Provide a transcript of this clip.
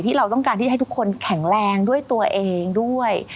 เราต้องการที่ให้ทุกคนแข็งแรงด้วยตัวเองด้วย